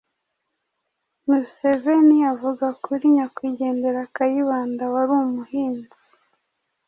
Museveni avuka kuri nyakwigendera Kayibanda wari umuhinzi;